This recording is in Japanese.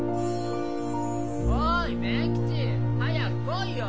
・おい勉吉早く来いよ！